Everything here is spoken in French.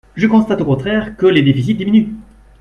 Je constate, au contraire, que les déficits diminuent.